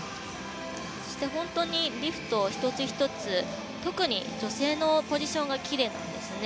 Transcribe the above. リフト１つ１つ特に女性のポジションがきれいなんですね。